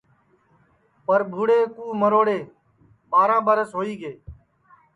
پربھوڑے کُو مروڑے ٻاراں ٻرس ہوئی گے